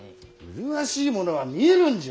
麗しいものは見えるんじゃ！